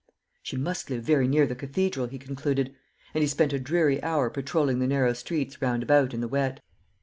She must live very near the cathedral, he concluded, and he spent a dreary hour patrolling the narrow streets round about in the wet.